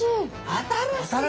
新しい！